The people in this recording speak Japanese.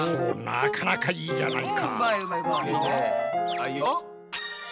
おなかなかいいじゃないか！